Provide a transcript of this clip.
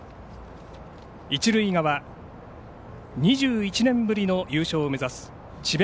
一塁側、２１年ぶりの優勝を目指す智弁